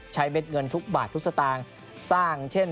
ใช้เม็ดเงินทุกบาททุกสตางค์